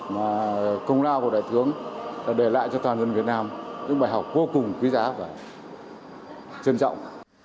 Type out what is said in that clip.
mà công lao của đại tướng đã để lại cho toàn dân việt nam những bài học vô cùng quý giá và trân trọng